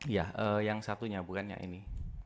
iya yang satunya bukan yang ini